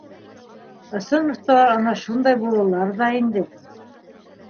Ысын оҫталар ана шундай булалар ҙа инде.